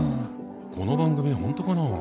この番組本当かな？